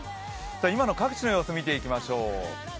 今の各地の様子を見ていきましょう。